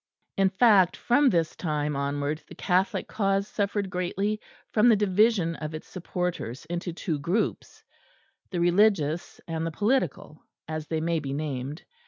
In fact, from this time onward the Catholic cause suffered greatly from the division of its supporters into two groups; the religious and the political, as they may be named.